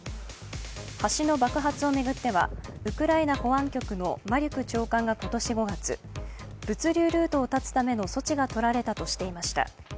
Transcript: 橋の爆発を巡ってはウクライナ保安局のマリュク長官が今年５月、物流ルートを断つための措置が取られたとしていました。